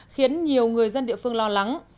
khiến nhiều người dân địa phương lo lắng